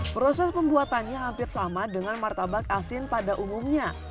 proses pembuatannya hampir sama dengan martabak asin pada umumnya